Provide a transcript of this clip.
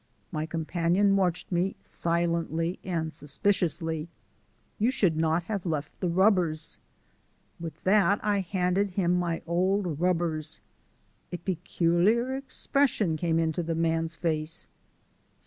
My companion watched me silently and suspiciously. "You should not have left the rubbers." With that I handed him my old rubbers. A peculiar expression came into the man's face.